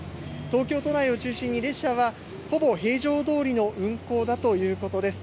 東京都内を中心に、列車はほぼ平常どおりの運行だということです。